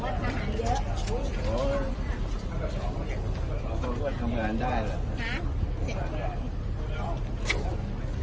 เขาก็มองว่าทำงานได้เลย